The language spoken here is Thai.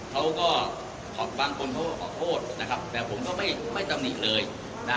เขาก็บางคนเขาก็ขอโทษนะครับแต่ผมก็ไม่ไม่ตำหนิเลยนะ